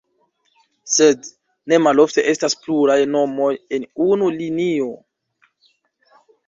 Sed, ne malofte estas pluraj nomoj en unu linio.